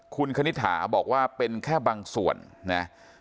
คุณคณิตถาบอกว่าเป็นแค่บางส่วนนะ